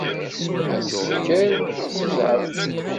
Kker s zzɛaf!